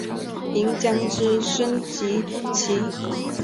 银将之升级棋。